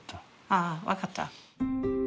ああ分かった。